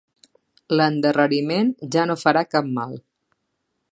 L'endarreriment ja no farà cap mal.